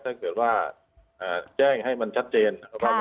ถ้าเกิดว่าแจ้งให้มันชัดเจนนะครับ